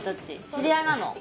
知り合いなの？